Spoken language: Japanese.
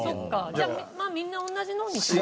じゃあみんな同じのに。